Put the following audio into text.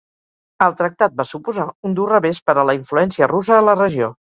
El tractat va suposar un dur revés per a la influència russa a la regió.